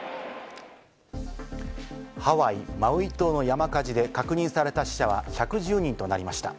ハワイ・マウイ島の山火事で確認された死者は１１０人となりました。